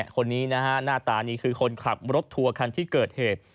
คนนี้นะฮะหน้าตานี่คือคนขับรถทัวร์คันที่เกิดเหตุ